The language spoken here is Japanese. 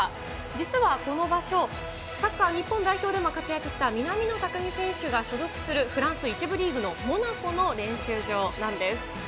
実はこの場所、サッカー日本代表でも活躍した南野拓実選手が所属するフランス１部リーグのモナコの練習場なんです。